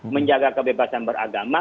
menjaga kebebasan beragama